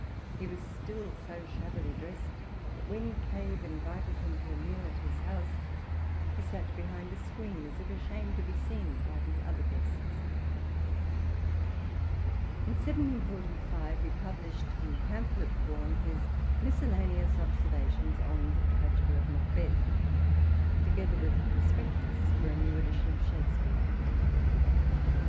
He was still so shabbily dressed that when Cave invited him to a meal at his house he sat behind a screen, as if ashamed to be seen by the other guests. In 1745 he published in pamphlet form his " MiscellaAeQU!& xiv INTRODUCTION. Observations on the Tragedy of Macbeth " together with a prospectus for a new edition of Shakespeare.